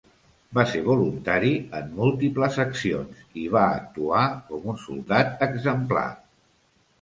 Va ser voluntari en múltiples accions i va actuar com un soldat exemplar.